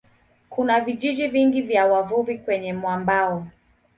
Kuna vijiji vingi vya wavuvi kwenye mwambao.